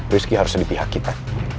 rizky harusnya di pihak kita